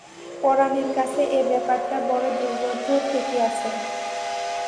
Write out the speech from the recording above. পরাণের কাছে এ ব্যাপারটা বড় দুর্বোধ্য ঠেকিয়াছে।